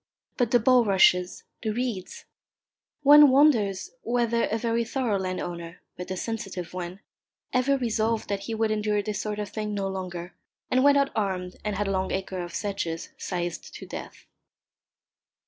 But the bulrushes, the reeds! One wonders whether a very thorough landowner, but a sensitive one, ever resolved that he would endure this sort of thing no longer, and went out armed and had a long acre of sedges scythed to death.